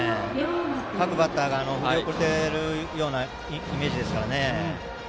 各バッターが振り遅れているようなイメージですよね。